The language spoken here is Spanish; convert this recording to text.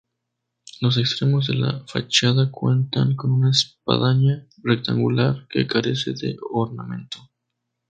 Los extremos de la fachada cuentan con una espadaña rectangular que carece de ornamento.